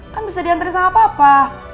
kan bisa diantri sama papa